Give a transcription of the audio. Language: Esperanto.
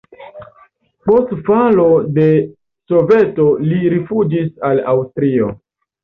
Post falo de Soveto li rifuĝis al Aŭstrio.